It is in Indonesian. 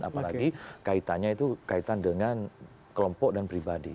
apalagi kaitannya itu kaitan dengan kelompok dan pribadi